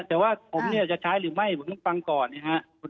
แต่ว่าผมจะใช้หรือไม่ผมพึ่งฟังก่อนครับ